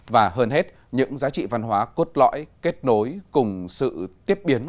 và hơn hết những giá trị văn hóa cốt lõi kết nối cùng sự tiếp biến